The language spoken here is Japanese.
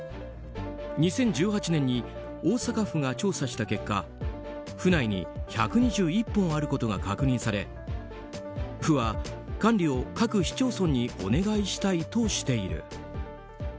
２０１８年に大阪府が調査した結果府内に１２１本あることが確認され府は管理を各市町村にお願いしたいとしている。